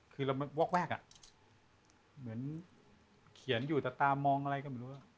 คือเราวอกแวกอ่ะเหมือนเขียนอยู่แต่ตามองอะไรก็ไม่รู้